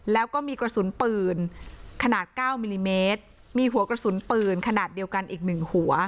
แล้วก็มีกระสุนปืนขนาด๙มิลลิเมตรมีหัวกระสุนปืนขนาดเดียวกันอีกหนึ่งหัว